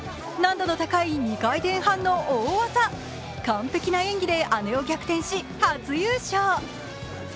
難度の高い２回転半の大技完璧な演技で姉を逆転し初優勝。